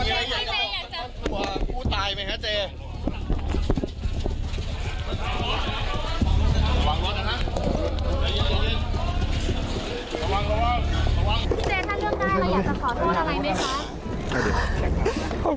ระวังนะละระวังนะระวังล่าง